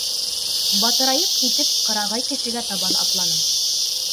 Батырайып китеп, ҡырағай кешегә табан атланым.